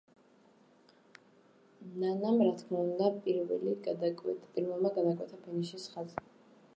ნანამ რა თქმა უნდა პირველმა გადაკვეთა ფინიშის ხაზი.